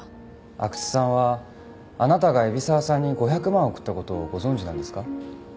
阿久津さんはあなたが海老沢さんに５００万を送った事をご存じなんですか？